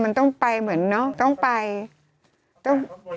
จำนวนได้ไม่เกิน๕๐๐คนนะคะ